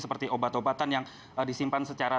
seperti obat obatan yang disimpan secara